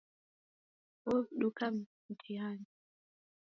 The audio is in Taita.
Wowuduka mtihani